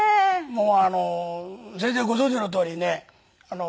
もう全然ご存じのとおりね